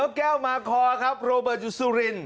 นกแก้วมาคอครับโรเบิร์ตยุซูลิน